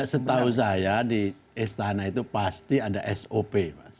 setahu saya di istana itu pasti ada sop